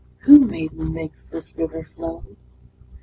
II. Who, maiden, makes this river flow?